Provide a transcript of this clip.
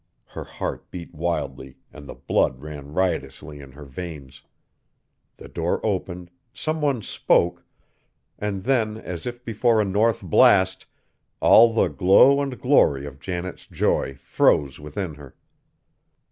Her heart beat wildly and the blood ran riotously in her veins. The door opened, some one spoke; and then, as if before a north blast, all the glow and glory of Janet's joy froze within her!